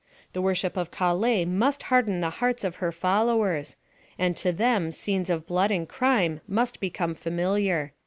The worship of Kale must harden the hearts of hei followers ; and to them scenes of blood and crime must become familiar."